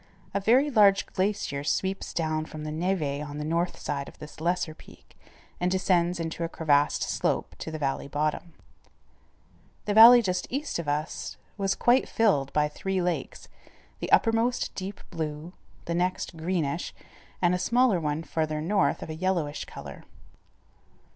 A very large glacier sweeps down from the névé on the north side of this lesser peak, and descends in a crevassed slope to the valley bottom. [Illustration: MOUNT ASSINIBOINE FROM NORTHWEST.] The valley just east of us was quite filled by three lakes, the uppermost deep blue, the next greenish, and a smaller one, farther north, of a yellowish color.